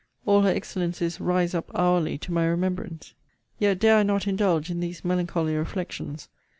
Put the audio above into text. All her excellencies rise up hourly to my remembrance. Yet dare I not indulge in these melancholy reflections.